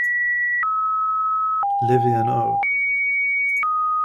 Levy and O.